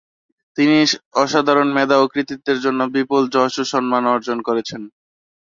তিনি অসাধারণ মেধা ও কৃতিত্বের জন্য বিপুল যশ ও সম্মান অর্জন করেছেন।